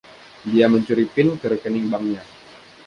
Dia mencuri PIN ke rekening banknya.